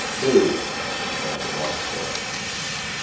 "Who?" demanded Longstreth.